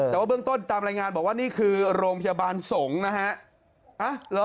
แต่ว่าเบื้องต้นบอกว่านี่คือโรงพยาบาลสงนะฮะ